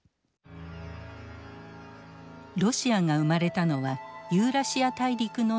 ロシアが生まれたのはユーラシア大陸の内陸部。